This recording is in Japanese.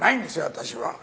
私は。